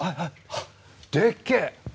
でっけー！